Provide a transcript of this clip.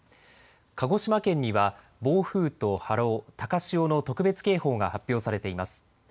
鹿児島県には暴風と波浪、高潮の特別警報が発表されています。